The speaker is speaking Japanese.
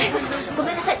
ごめんなさい